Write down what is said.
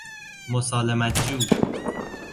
مسالمت جو